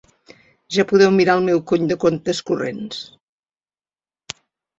Ja poden mirar el meu cony de comptes corrents.